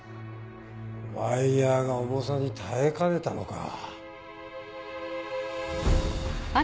ワイヤが重さに耐えかねたのか？